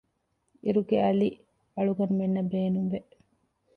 އިރުގެ އަލި އަޅުގަނޑުމެންނަށް ބޭނުން ވެ